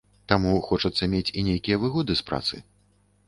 Таму хочацца мець і нейкія выгоды з працы.